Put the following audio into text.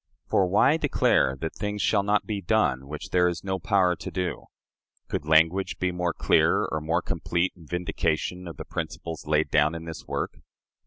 For why declare that things shall not be done, which there is no power to do?" Could language be more clear or more complete in vindication of the principles laid down in this work?